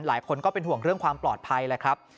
หลายคนก็เป็นห่วงเรื่องความปลอดภัยแหละครับ